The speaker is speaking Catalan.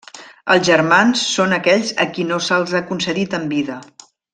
Els Germans són aquells a qui no se'ls ha concedit en vida.